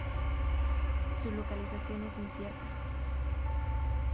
Su localización es incierta.